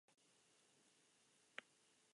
Zer egin du bere urtemuga ospatzeko?